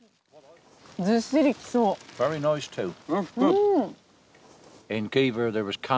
ずっしり来そう。